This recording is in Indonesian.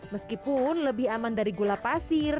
meskipun lebih aman dari gula pasir